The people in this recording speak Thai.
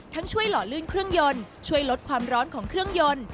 ช่วยหล่อลื่นเครื่องยนต์ช่วยลดความร้อนของเครื่องยนต์